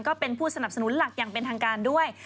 ก็เป็นผู้สนับสนุนหลักอย่างเป็นทางการด้วย